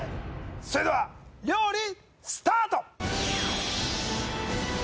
それでは料理スタート